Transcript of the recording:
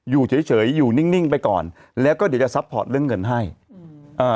อยู่เฉยเฉยอยู่นิ่งนิ่งไปก่อนแล้วก็เดี๋ยวจะซัพพอร์ตเรื่องเงินให้อืมอ่า